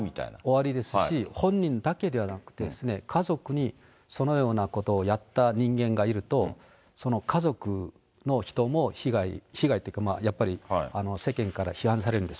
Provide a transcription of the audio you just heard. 終わりですし、本人だけではなくて、家族にそのようなことをやった人間がいると、その家族の人も被害、被害というか、やっぱり世間から批判される